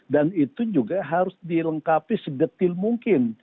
dan itu juga harus dilengkapi segetil mungkin